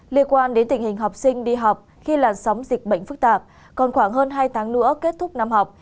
liên quan đến tình hình học sinh đi học khi làn sóng dịch bệnh phức tạp còn khoảng hơn hai tháng nữa kết thúc năm học